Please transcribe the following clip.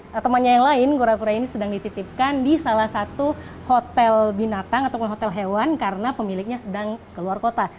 nah temannya yang lain kura kura ini sedang dititipkan di salah satu hotel binatang atau hotel hewan karena pemiliknya sedang keluar kota